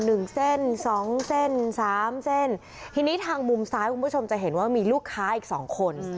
หนึ่งเส้นสองเส้นสามเส้นทีนี้ทางมุมซ้ายคุณผู้ชมจะเห็นว่ามีลูกค้าอีกสองคน